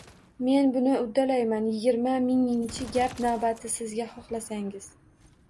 Men buni uddalayman, yigirma minginchi gap navbati sizga xohlasangiz